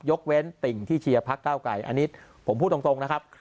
ยกเว้นติ่งที่เชียร์พักเก้าไกรอันนี้ผมพูดตรงนะครับ